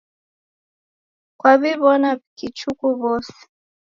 Kwaw'iw'ona w'akichuku w'ose?